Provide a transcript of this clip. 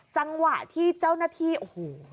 จังหวะที่เจ้าหน้าที่โอ้โห